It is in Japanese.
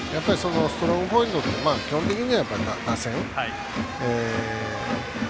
ストロングポイントって基本的には打線。